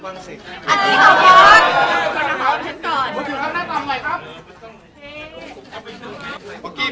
อันนั้นจะเป็นภูมิแบบเมื่อ